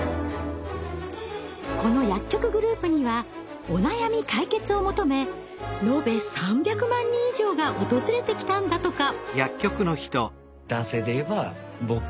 この薬局グループにはお悩み解決を求めのべ３００万人以上が訪れてきたんだとか。